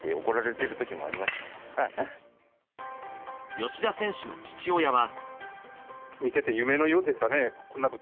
吉田選手の父親は。